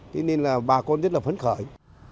thế nên là bà con rất là phấn khởi